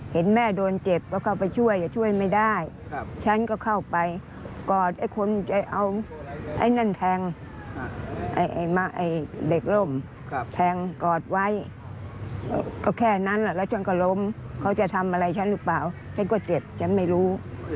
เหล็กกว่าเจ็ดฉันไม่รู้